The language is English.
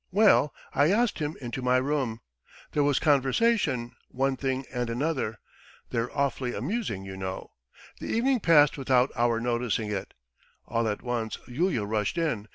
... Well, I asked him into my room ... there was conversation, one thing and another ... they're awfully amusing, you know! The evening passed without our noticing it. ... All at once Yulia rushed in.